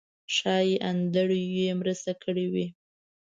ښایي انډریو مرسته کړې وي.